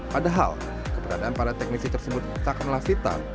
padahal keberadaan para teknisi tersebut tak melaksital